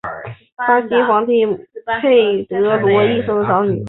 巴西皇帝佩德罗一世的长女。